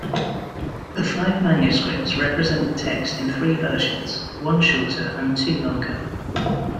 The five manuscripts represent the text in three versions, one shorter and two longer.